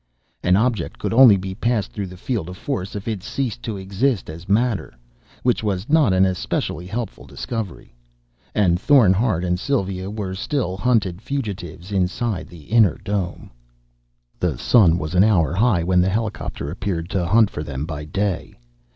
An object could only be passed through the field of force if it ceased to exist as matter which was not an especially helpful discovery. And Thorn Hard and Sylva were still hunted fugitives inside the inner dome. The sun was an hour high when the helicopter appeared to hunt for them by day.